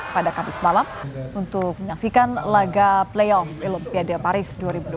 pada kamis malam untuk menyaksikan laga playoff olimpiade paris dua ribu dua puluh